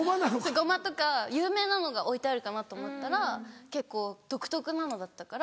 ゴマとか有名なのが置いてあるかなと思ったら結構独特なのだったから。